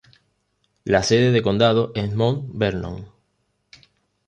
La sede de condado es Mount Vernon.